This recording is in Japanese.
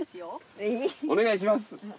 お願いします。